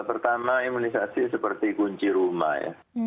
pertama imunisasi seperti kunci rumah ya